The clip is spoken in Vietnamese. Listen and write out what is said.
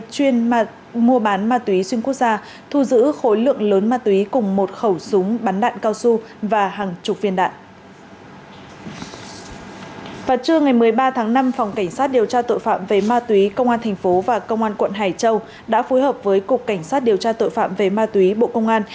cục cảnh sát điều tra tội phạm về ma túy công an thành phố và công an quận hải châu đã phối hợp với cục cảnh sát điều tra tội phạm về ma túy bộ công an